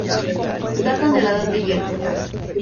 Datan de la Edad de Hierro.